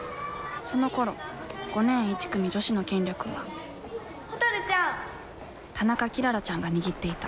そのころ５年１組女子の権力は田中キララちゃんが握っていた。